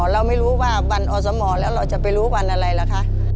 เราไม่รู้ว่าวันอสมแล้วเราจะไปรู้วันอะไรล่ะคะ